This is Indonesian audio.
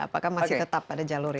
apakah masih tetap ada jalur ini